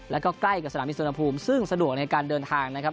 แล้วก็ใกล้กับสนามบินสุวรรณภูมิซึ่งสะดวกในการเดินทางนะครับ